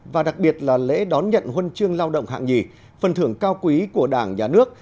và đặc biệt là lễ đón nhận huân chương lao động hạng nhì phần thưởng cao quý của đảng nhà nước